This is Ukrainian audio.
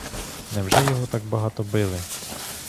Невже його так багато били?